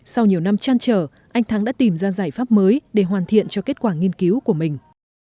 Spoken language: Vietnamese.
sau nhiều năm chăn trở anh thắng đã tìm ra giải pháp mới để hoàn thiện cho kết quả nghiên cứu của mình